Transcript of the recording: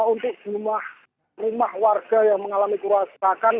untuk jumlah rumah warga yang mengalami kerusakan